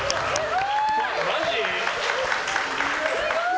すごい！